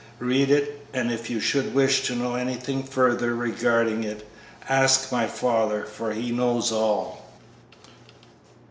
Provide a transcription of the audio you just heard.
Read it, and if you should wish to know anything further regarding it, ask my father, for he knows all."